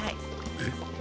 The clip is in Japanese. えっ？